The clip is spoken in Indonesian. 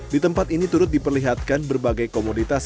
di tempat ini turut diperlihatkan berbagai komoditas